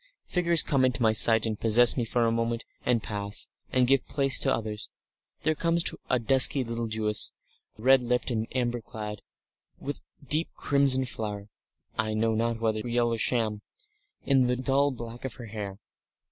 Figures come into my sight and possess me for a moment and pass, and give place to others; there comes a dusky little Jewess, red lipped and amber clad, with a deep crimson flower I know not whether real or sham in the dull black of her hair.